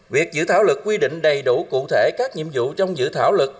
việc dự thảo lực quy định đầy đủ cụ thể các nhiệm vụ trong dự thảo luật